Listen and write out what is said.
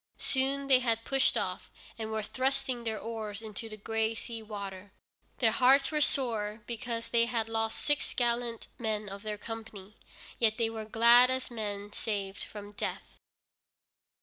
Soon they had pushed off, and were thrusting their oars into the gray sea water. Their hearts were sore, because they had lost six gallant men of their company, yet they were glad as men saved from death.